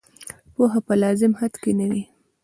پوهه په لازم حد کې نه وي.